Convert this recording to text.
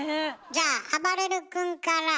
じゃああばれる君から。